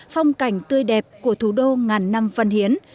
phong cảnh tươi đẹp của thủ đô ngàn năm văn hiến